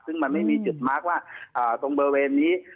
ซึ่งมันไม่มีจุดมาร์คว่าตรงบริเวณนี้